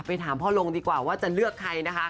ถามพ่อลงดีกว่าว่าจะเลือกใครนะคะ